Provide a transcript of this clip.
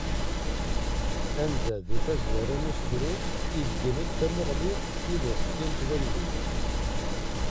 Anda di tazwara n usefru ibeggen-d tamuɣli i d-as-fkan twalin.